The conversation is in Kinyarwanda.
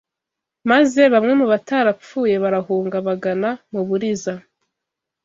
maze bamwe mu batarapfuye barahunga bagana mu Buliza